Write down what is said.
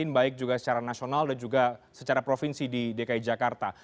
baik juga secara nasional dan juga secara provinsi di dki jakarta